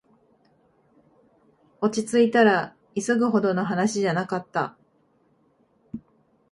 落ちついたら、急ぐほどの話じゃなかった